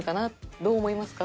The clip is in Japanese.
どう思いますか？